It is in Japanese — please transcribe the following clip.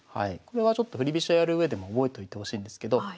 これはちょっと振り飛車やるうえでも覚えといてほしいんですけど。